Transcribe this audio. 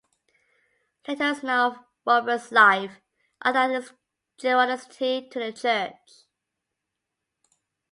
Little is known of Robert's life, other than his generosity to the church.